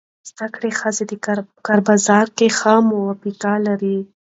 زده کړه ښځه د کار بازار کې ښه موقف لري.